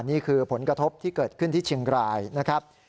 นี่คือผลกระทบที่เกิดขึ้นที่เชียงรายนะครับ